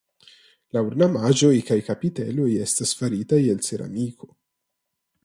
La ornamaĵoj kaj kapiteloj estas faritaj el ceramiko.